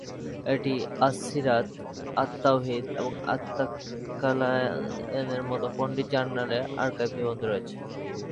এটিতে "আস-সীরাত", "আত-তাওহীদ" এবং "আত-তাকালায়েনের" মতো পণ্ডিত জার্নালের আর্কাইভ নিবন্ধ রয়েছে।